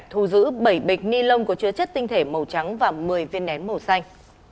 thu giữ bảy bịch ni lông có chứa chất tinh thể màu trắng và một mươi viên nén màu xanh